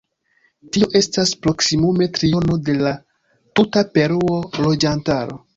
Tio estas proksimume triono de la tuta Peruo loĝantaro.